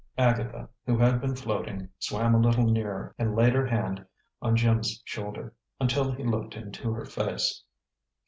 Agatha, who had been floating, swam a little nearer and laid her hand on Jim's shoulder, until he looked into her face.